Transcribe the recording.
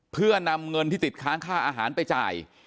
เพื่อนำเงินที่ติดค้างค่าอาหารไปจ่าย